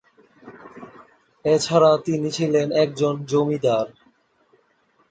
এছাড়া তিনি ছিলেন একজন জমিদার।